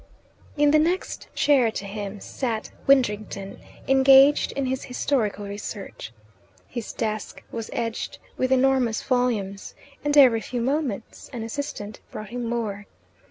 In the next chair to him sat Widdrington, engaged in his historical research. His desk was edged with enormous volumes, and every few moments an assistant brought him more.